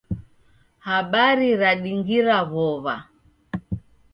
Habari radingira w'ow'a.